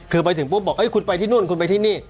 คือไปถึงปุ๊บบอกคุณไปที่นู่นคุณไปที่นี่